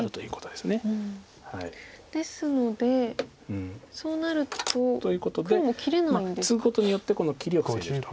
ですのでそうなると。ということでツグことによってこの切りを防いでると。